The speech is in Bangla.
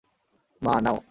মা, নাও।